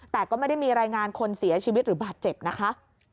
แต่ก็ไม่ได้มีรายงานคนเสียชีวิตหรือบาดเจ็บนะคะ